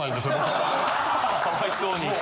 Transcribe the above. かわいそうに。